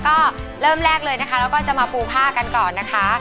ก็เริ่มแรกเลยนะคะแล้วก็จะมาปูผ้ากันก่อนนะคะ